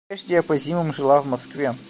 Прежде я по зимам жила в Москве...